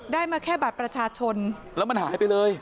มาแค่บัตรประชาชนแล้วมันหายไปเลย